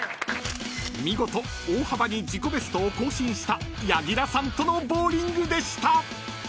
［見事大幅に自己ベストを更新した柳楽さんとのボウリングでした］